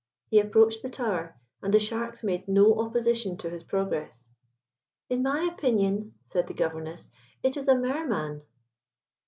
He approached the tower, and the sharks made no opposition to his progress. "In my opinion," said the Governess, "it is a Mer man."